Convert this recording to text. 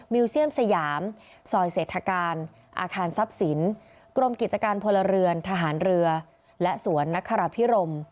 เซียมสยามซอยเศรษฐการอาคารทรัพย์สินกรมกิจการพลเรือนทหารเรือและสวนนครพิรม